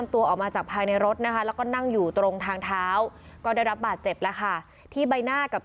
สำหรับผู้ปากหน้านะคะ